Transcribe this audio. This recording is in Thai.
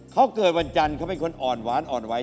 เขาเกิดวันจันทร์เขาเป็นคนอ่อนหวานอ่อนไหว